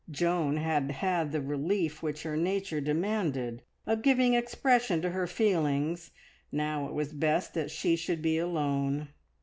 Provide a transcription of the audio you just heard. Joan had had the relief which her nature demanded of giving expression to her feelings; now it was best that she should be alone.